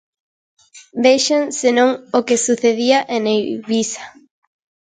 Vexan, senón, o que sucedía en Eivisa.